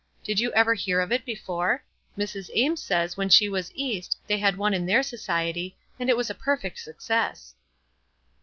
Did you ever hear of it before? Mrs. Ames says when she was East they had one in their society, and it was a perfect success."